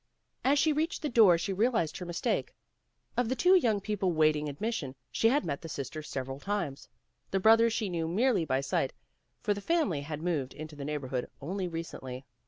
As she reached the door she realized her mistake. Of the two young people waiting ad mission she had met the sister several times. The brother she knew merely by sight, for the family had moved into the neighborhood only recently.